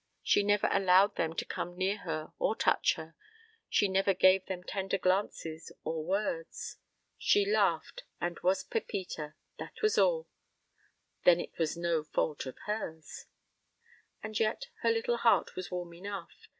She never allowed them to come near her or touch her; she never gave them tender glances or words. She laughed and was Pepita that was all. Then it was no fault of hers. And yet her little heart was warm enough.